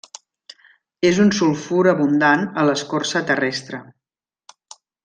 És un sulfur abundant a l'escorça terrestre.